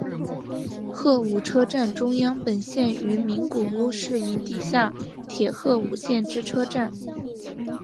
鹤舞车站中央本线与名古屋市营地下铁鹤舞线之车站。